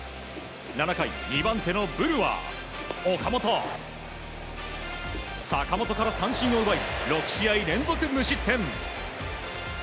７回、２番手のブルワー岡本、坂本から三振を奪い６試合連続無失点。